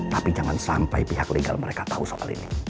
tapi jangan sampai pihak legal mereka tahu soal ini